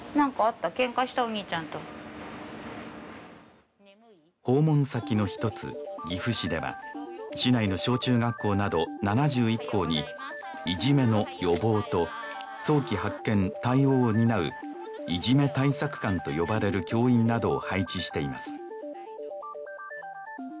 お兄ちゃんと訪問先の一つ岐阜市では市内の小中学校など７１校にいじめの予防と早期発見・対応を担ういじめ対策監と呼ばれる教員などを配置しています